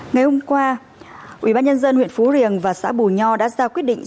ngày hôm qua ủy ban nhân dân huyện phú riềng và xã bù nho đã ra quyết định